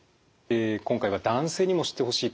今回は「男性にも知ってほしい！